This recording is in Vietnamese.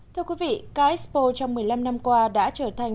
thưa quý vị ca expo trong một mươi năm năm qua đã trở thành